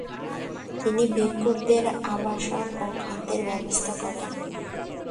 তিনি ভিক্ষুদের আবাসন ও খাদ্যের ব্যবস্থা করেন।